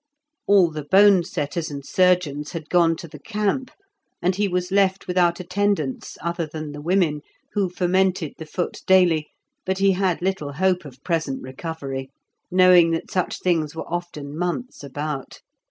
All the bone setters and surgeons had gone to the camp, and he was left without attendance other than the women, who fomented the foot daily, but he had little hope of present recovery, knowing that such things were often months about.